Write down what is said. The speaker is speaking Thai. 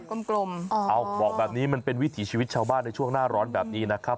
กลมเอาบอกแบบนี้มันเป็นวิถีชีวิตชาวบ้านในช่วงหน้าร้อนแบบนี้นะครับ